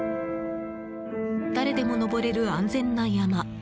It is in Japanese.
誰でも登れる安全な山。